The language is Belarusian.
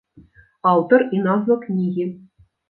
Аўтар і назва кнігі.